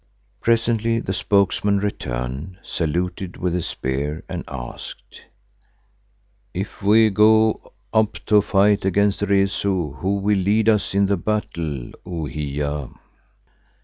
Presently the spokesman returned, saluted with his spear, and asked, "If we go up to fight against Rezu, who will lead us in the battle, O Hiya?"